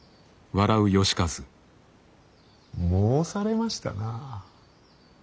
申されましたな。